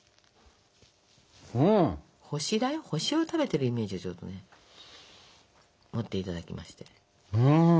星だよ星を食べてるイメージをちょっとね持っていただきまして。